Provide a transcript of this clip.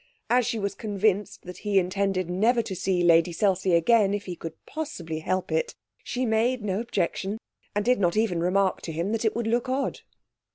As she was convinced that he intended never to see Lady Selsey again if he could possibly help it, she made no objection, and did not even remark to him that it would look odd.